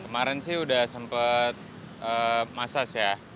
kemarin sih udah sempat masas ya